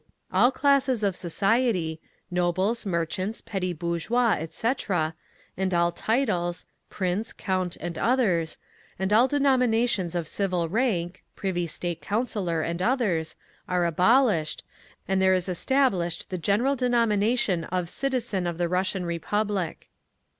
All classes of society (nobles, merchants, petty bourgeois, etc.), and all titles (Prince, Count and others), and all denominations of civil rank (Privy State Councillor, and others), are abolished, and there is established the general denomination of Citizen of the Russian Republic.